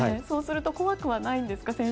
そうすると怖くはないんですか？